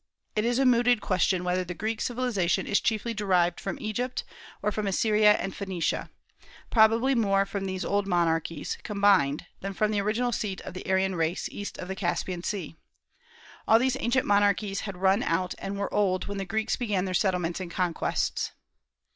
It is a mooted question whether the Greek civilization is chiefly derived from Egypt, or from Assyria and Phoenicia, probably more from these old monarchies combined than from the original seat of the Aryan race east of the Caspian Sea. All these ancient monarchies had run out and were old when the Greeks began their settlements and conquests.